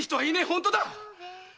本当だ！